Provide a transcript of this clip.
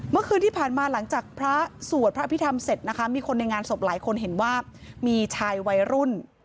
เมื่อคืนที่ผ่านมาหลังจากพระสวดพระอภิษฐรรมเสร็จนะคะมีคนในงานศพหลายคนเห็นว่ามีชายวัยรุ่น